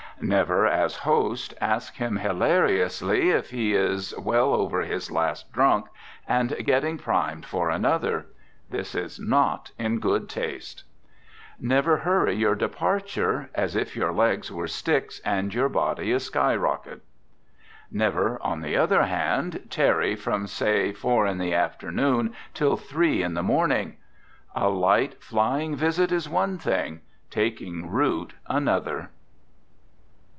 Never, as host, ask him hilariously if he is well over his last drunk, and getting primed for another. This is not in good taste. Never hurry your departure, as if your legs were sticks and your body a sky rocket. Never, on the other hand, tarry from, say, four in the afternoon till three in the morning. A light, flying visit is one thing, taking root another.